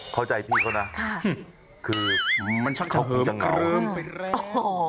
เข้าใจพี่เขานะคือมันชักจะเหิมเกลิมไปแล้ว